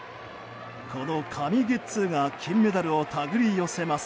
この神ゲッツーが金メダルを手繰り寄せます。